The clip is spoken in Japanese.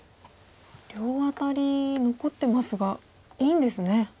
両アタリ残ってますがいいんですね。